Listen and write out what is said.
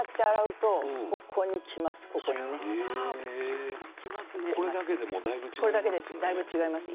これだけでだいぶ違いますよね。